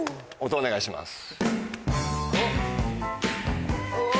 音お願いします。